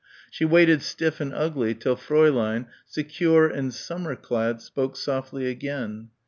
She waited stiff and ugly till Fräulein, secure and summer clad, spoke softly again.